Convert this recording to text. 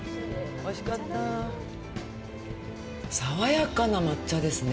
爽やかな抹茶ですね。